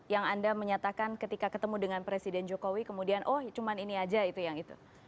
yang anda menyatakan ketika ketemu dengan presiden jokowi kemudian oh cuma ini aja itu yang itu